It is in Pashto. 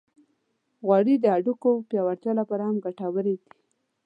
غوړې د هډوکو پیاوړتیا لپاره هم ګټورې دي.